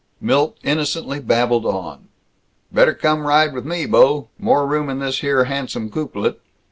Milt innocently babbled on, "Better come ride with me, bo'. More room in this here handsome coupelet."